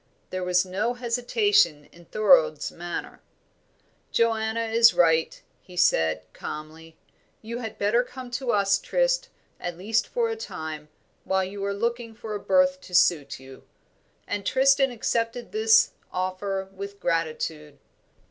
There was no hesitation in Thorold's manner. "Joanna is right," he said, calmly, "you had better come to us, Trist, at least for a time, while you are looking for a berth to suit you;" and Tristram accepted this offer with gratitude.